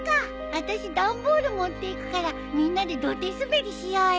あたし段ボール持っていくからみんなで土手滑りしようよ！